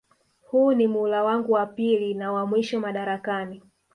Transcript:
Huu ni muhula wangu wa pili na wa mwisho madarakani